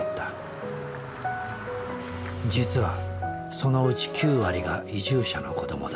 実はそのうち９割が移住者の子どもだ。